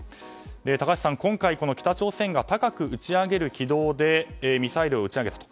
高橋さん、今回北朝鮮が高く打ち上げる軌道でミサイルを打ち上げたと。